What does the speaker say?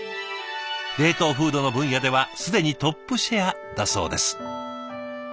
冷凍フードの分野では既にトップシェアだそうです。